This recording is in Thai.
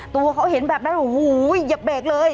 ตัวเขาเห็นแบบนั้นโอ้โหเหยียบเบรกเลย